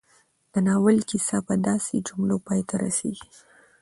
د ناول کيسه په داسې جملو پای ته رسېږي